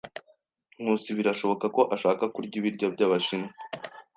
Nkusi birashoboka ko ashaka kurya ibiryo byabashinwa.